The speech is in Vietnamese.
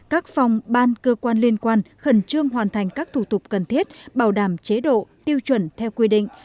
các phòng ban cơ quan liên quan khẩn trương hoàn thành các thủ tục cần thiết bảo đảm chế độ tiêu chuẩn theo quy định